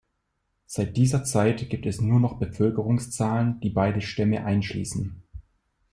Seit dieser Zeit gibt es nur noch Bevölkerungszahlen, die beide Stämme einschließen.